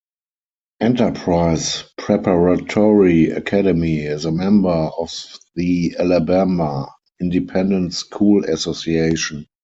Enterprise Preparatory Academy is a member of the Alabama Independent School Association.